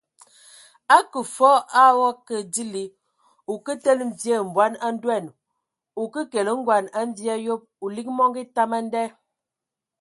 Akə fɔɔ o akə dili,o kə tele mvie mbɔn a ndoan, o ke kele ngoan a mvie a yob, o lig mɔngɔ etam a nda !